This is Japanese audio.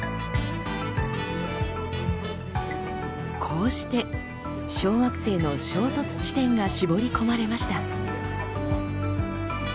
こうして小惑星の衝突地点が絞り込まれました。